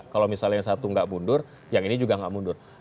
kalau misalnya yang satu nggak mundur yang ini juga nggak mundur